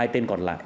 hai tên còn lại